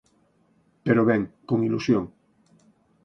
Pero ben, con ilusión.